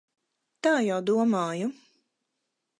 Tā jau domāju.